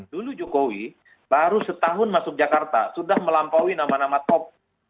dulu jokowi baru setahun masuk jakarta sudah melampaui nama nama top